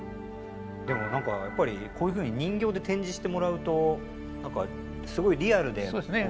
でも何かやっぱりこういうふうに人形で展示してもらうとすごいリアルで。